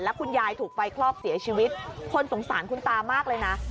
คุณยายถูกไฟคลอกเสียชีวิตคนสงสารคุณตามากเลยนะ